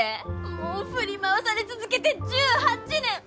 もう振り回され続けて１８年。